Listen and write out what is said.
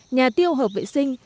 nhà tiêu hợp vệ sinh